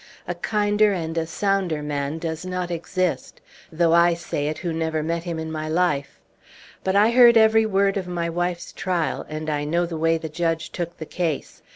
A kinder and a sounder man does not exist, though I say it who never met him in my life. But I heard every word of my wife's trial, and I know the way the judge took the case.